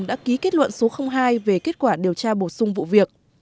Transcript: đã ký kết luận số hai về kết quả điều tra bổ sung vụ việc